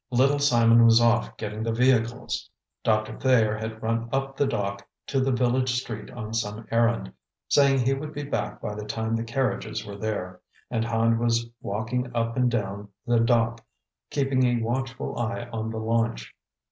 Little Simon was off getting the vehicles; Doctor Thayer had run up the dock to the village street on some errand, saying he would be back by the time the carriages were there; and Hand was walking up and down the dock, keeping a watchful eye on the launch.